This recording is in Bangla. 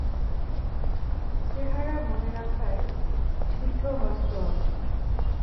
চেহারা মনে রাখায় সিদ্ধহস্ত আমি।